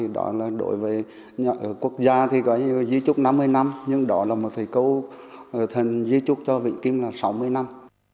đó là đối với quốc gia thì có dưới chúc năm mươi năm nhưng đó là một thầy câu thần dưới chúc cho vĩnh kim là sáu mươi năm